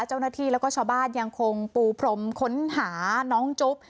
เจ้าหน้าที่แล้วก็ชาวบ้านยังคงปูพรมค้นหาน้องจุ๊บ